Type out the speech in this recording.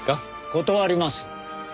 断ります。